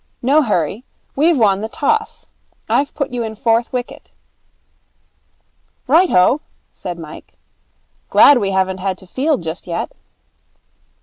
'No hurry. We've won the toss. I've put you in fourth wicket.' 'Right ho,' said Mike. 'Glad we haven't to field just yet.'